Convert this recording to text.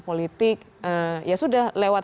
politik ya sudah lewat